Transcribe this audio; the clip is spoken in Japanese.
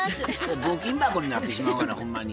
募金箱になってしまうがなほんまに。